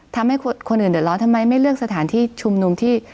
ทำให้คนอื่นเดือดร้อนทำไมไม่เลือกสถานที่ชุมนุมที่